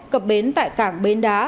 cập bến tại cảng bến đá